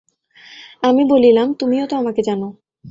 আমি বলিলাম, তুমিও তো আমাকে জান।